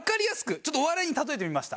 ちょっとお笑いに例えてみました。